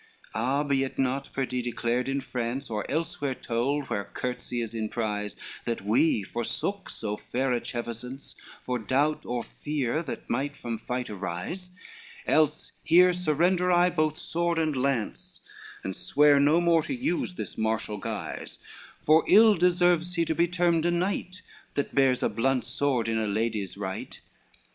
LXXXI "Ah! be it not pardie declared in France, Or elsewhere told where courtesy is in prize, That we forsook so fair a chevisance, For doubt or fear that might from fight arise; Else, here surrender I both sword and lance, And swear no more to use this martial guise; For ill deserves he to be termed a knight, That bears a blunt sword in a lady's right."